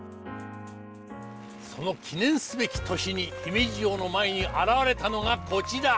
その記念すべき年に姫路城の前に現れたのがこちら！